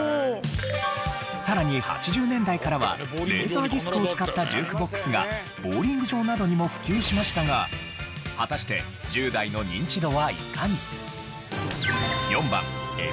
さらに８０年代からはレーザーディスクを使ったジュークボックスがボウリング場などにも普及しましたが果たしてちっこいやつな！